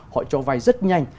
họ cho vay rất nhanh